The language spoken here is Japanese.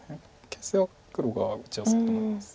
形勢は黒が打ちやすいと思います。